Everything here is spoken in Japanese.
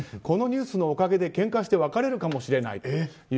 このニュースのおかげでけんかして別れるかもしれない。